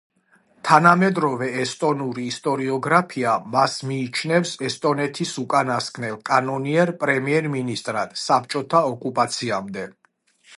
თანამედროვე ესტონური ისტორიოგრაფია მას მიიჩნევს ესტონეთის უკანასკნელ კანონიერ პრემიერ-მინისტრად საბჭოთა ოკუპაციამდე.